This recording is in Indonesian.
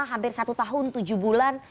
hampir satu tahun tujuh bulan